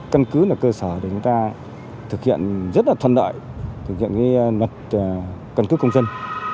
cân cứ là cơ sở để chúng ta thực hiện rất là thuận lợi thực hiện luật cân cứ công dân